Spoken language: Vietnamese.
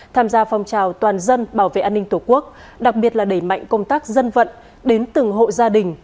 tham gia phong trào toàn dân bảo vệ an ninh tổ quốc đặc biệt là đẩy mạnh công tác dân vận đến từng hộ gia đình